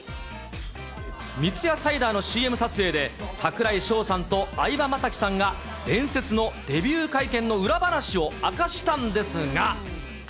三ツ矢サイダーのＣＭ撮影で、櫻井翔さんと相葉雅紀さんが、伝説のデビュー会見の裏話を明かしたんですが。